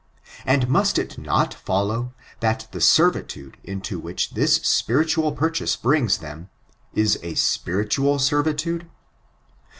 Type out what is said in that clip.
And must it not follow that the serritade into which this spiritual purchase brings them, is a spiritual servitude?